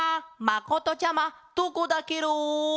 まことちゃまどこだケロ？